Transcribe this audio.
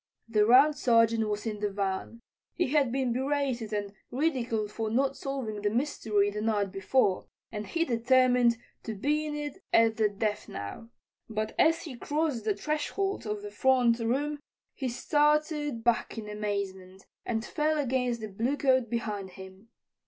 The Round Sergeant was in the van. He had been berated and ridiculed for not solving the mystery the night before, and he determined to be in at the death now. But as he crossed the threshold of the front room he started back in amazement and fell against the bluecoat behind him.